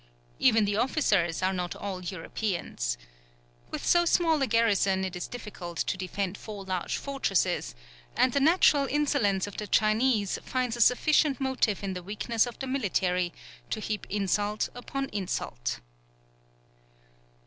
Even the officers are not all Europeans. With so small a garrison it is difficult to defend four large fortresses; and the natural insolence of the Chinese finds a sufficient motive in the weakness of the military, to heap insult upon insult."